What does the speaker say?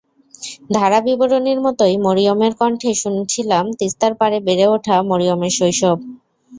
ধারা বিবরণীর মতোই মরিয়মের কণ্ঠে শুনছিলাম তিস্তা পাড়ে বেড়ে ওঠা মরিয়মের শৈশব।